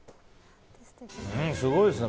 すごいですね。